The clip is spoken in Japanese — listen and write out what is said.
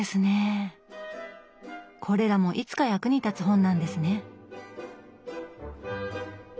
これらもいつか役に立つ本なんですね。